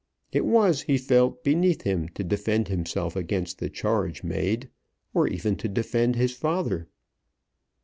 It was, he felt, beneath him to defend himself against the charge made or even to defend his father.